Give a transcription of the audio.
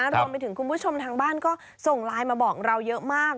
รวมไปถึงคุณผู้ชมทางบ้านก็ส่งไลน์มาบอกเราเยอะมาก